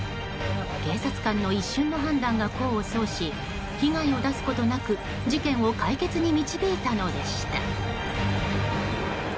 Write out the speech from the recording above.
警察官の一瞬の判断が功を奏し被害を出すことなく事件を解決に導いたのでした。